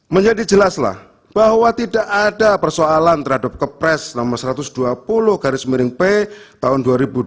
menjadi jelaslah bahwa tidak ada persoalan terhadap kepres nomor satu ratus dua puluh garis miring p tahun dua ribu dua puluh